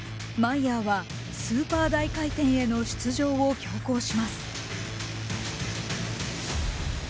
マイヤーはスーパー大回転への出場を強行します。